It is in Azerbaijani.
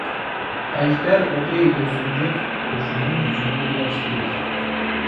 Əjdər odu ilə Zümrüd quşunun gücünü birləşdirir.